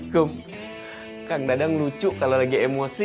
kum kang dadang lucu kalau lagi emosi